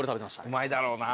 うまいだろうなあ。